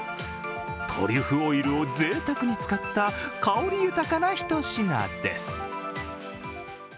トリュフオイルをぜいたくに使った香り豊かなひと品です。